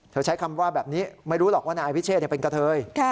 ใช้คำว่าแบบนี้ไม่รู้หรอกว่านายวิเชษเป็นกะเทย